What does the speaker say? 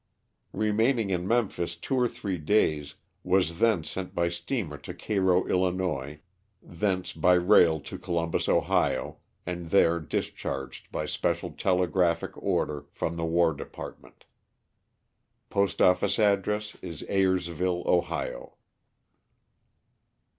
Kemaining in Memphis two or three days was then sent by steamer to Cairo, 111., thence by rail to Colum bus, Ohio, and there discharged by special telegraphic order from the War Department. Postoffice address is Ayersville, Ohio.